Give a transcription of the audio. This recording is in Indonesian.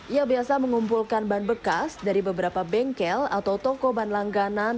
ia biasa mengumpulkan ban bekas dari beberapa bengkel atau toko ban langganan